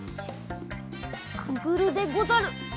くぐるでござる。